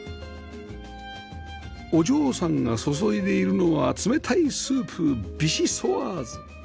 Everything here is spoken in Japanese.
お嬢さんが注いでいるのは冷たいスープビシソワーズ